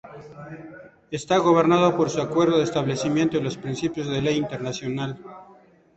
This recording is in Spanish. Está gobernado por su acuerdo de establecimiento y los principios de ley internacional.